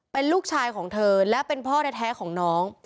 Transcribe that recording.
เป็นลูกชายของเธอและเป็นพ่อแท้ของน้อง